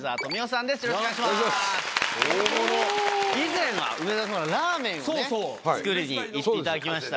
以前は梅沢さんはラーメンをね作りに行っていただきました。